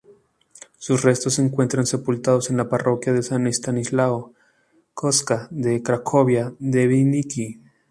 Sus restos se encuentran sepultados en la parroquia San Estanislao Kostka de Cracovia-Debniki.